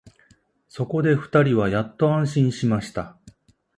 そこで二人はやっと安心しました